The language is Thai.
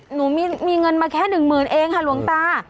หนูมีเงินมาแค่๑๐๐๐บาทเองค่ะหลวงตา